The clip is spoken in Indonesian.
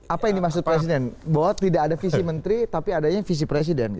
apa yang dimaksud presiden bahwa tidak ada visi menteri tapi adanya visi presiden